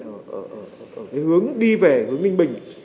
ở cái hướng đi về hướng ninh bình